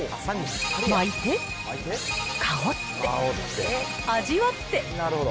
巻いて、香って、味わって。